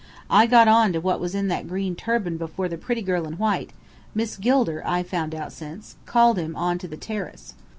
I got on to what was in that green turban before the pretty girl in white Miss Gilder, I've found out since called him on to the terrace.